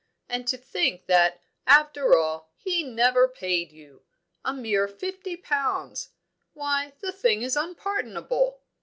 And to think that, after all, he never paid you! A mere fifty pounds! Why, the thing is unpardonable!